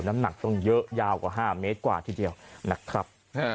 น้ำหนักต้องเยอะยาวกว่า๕เมตรกว่าทีเดียวนะครับ